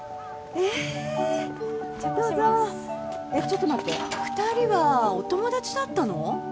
えっちょっと待って２人はお友達だったの？